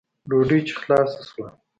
ډوډۍ چې خلاصه سوه.